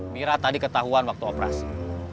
mira tadi ketahuan waktu operasi